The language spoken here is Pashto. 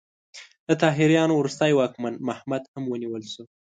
د طاهریانو وروستی واکمن محمد هم ونیول شو.